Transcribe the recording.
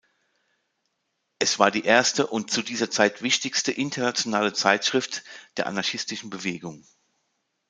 Es war die erste und zu dieser Zeit wichtigste internationale Zeitschrift der anarchistischen Bewegung.